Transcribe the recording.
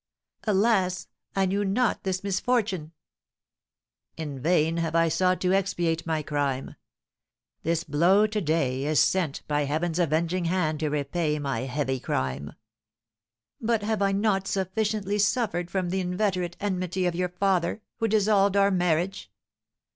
"Alas! I knew not this misfortune." "In vain have I sought to expiate my crime. This blow to day is sent by Heaven's avenging hand to repay my heavy crime." "But have I not sufficiently suffered from the inveterate enmity of your father, who dissolved our marriage?